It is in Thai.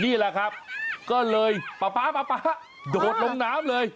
นี่แหละครับก็เลยป๊าป๊าป๊าโดดลงน้ำเลย